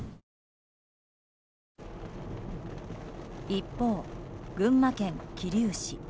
一方、群馬県桐生市。